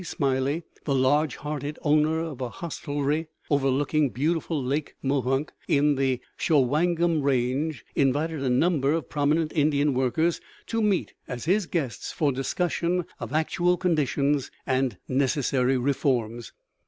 Smiley, the large hearted owner of a hostelry overlooking beautiful Lake Mohonk, in the Shawangum range, invited a number of prominent Indian workers to meet as his guests for discussion of actual conditions and necessary reforms.